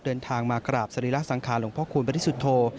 เดินทางมากราบสรีระสังขารหลวงพ่อคูณบริสุทธโธ